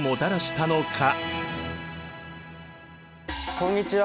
こんにちは！